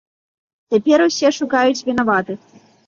Цяпер усе шукаюць вінаватых.